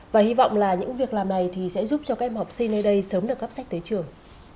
và hy vọng là những việc làm này thì sẽ giúp cho các em học sinh nơi đây sớm được cắp sách tới trường